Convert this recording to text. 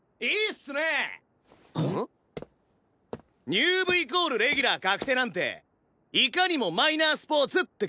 入部イコールレギュラー確定なんていかにもマイナースポーツって感じ。